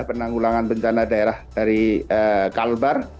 penanggulangan bencana daerah dari kalbar